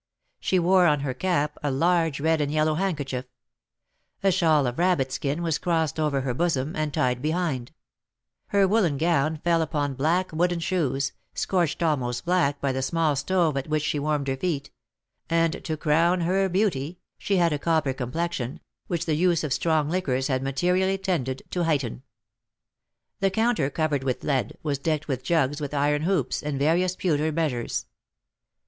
She wore on her cap a large red and yellow handkerchief; a shawl of rabbit skin was crossed over her bosom, and tied behind; her woollen gown fell upon black wooden shoes, scorched almost black by the small stove at which she warmed her feet; and, to crown her beauty, she had a copper complexion, which the use of strong liquors had materially tended to heighten. The counter, covered with lead, was decked with jugs with iron hoops, and various pewter measures.